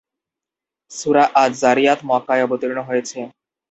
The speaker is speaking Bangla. সূরা আয-যারিয়াত মক্কায় অবতীর্ণ হয়েছে।